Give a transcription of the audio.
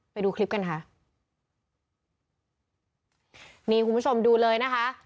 ไปดูคลิปกันค่ะนี่คุณผู้ชมดูเลยนะคะ